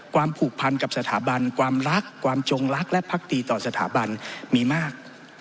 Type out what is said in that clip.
ผูกพันกับสถาบันความรักความจงรักและพักดีต่อสถาบันมีมาก